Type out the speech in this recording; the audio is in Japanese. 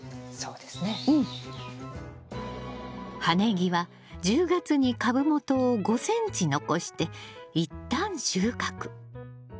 葉ネギは１０月に株元を５ｃｍ残して一旦収穫。